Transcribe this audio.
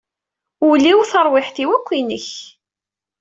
Ul-iw, taṛwiḥt-iw akk inek.